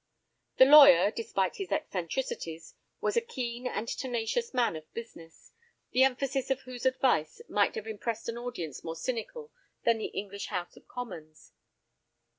The lawyer, despite his eccentricities, was a keen and tenacious man of business, the emphasis of whose advice might have impressed an audience more cynical than the English House of Commons.